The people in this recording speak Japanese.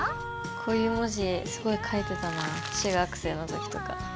こういう文字すごい書いてたな中学生の時とか。